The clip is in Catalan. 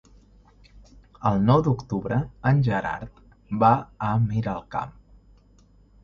El nou d'octubre en Gerard va a Miralcamp.